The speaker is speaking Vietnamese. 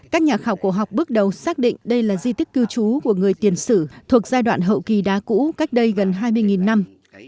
các nhà khảo cổ học bước đầu xác định đây là di tích cư trú của người tiền sử thuộc giai đoạn hậu kỳ đá cũ cách đây gần hai mươi năm